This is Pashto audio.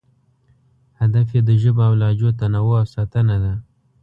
هدف یې د ژبو او لهجو تنوع او ساتنه ده.